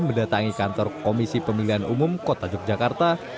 mendatangi kantor komisi pemilihan umum kota yogyakarta